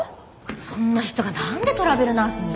そんな人がなんでトラベルナースに？